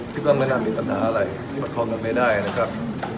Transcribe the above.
ที่ก็ไม่น่ามีปัญหาอะไรประคอมกันไม่ได้นะครับ